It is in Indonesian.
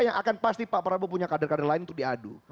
yang akan pasti pak prabowo punya kader kader lain untuk diadu